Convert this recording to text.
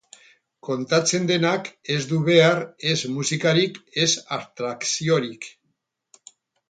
Kontatzen denak ez du behar ez musikarik ez abstrakziorik.